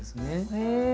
へえ。